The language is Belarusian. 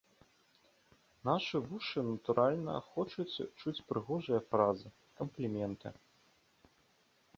Нашы вушы, натуральна, хочуць чуць прыгожыя фразы, кампліменты.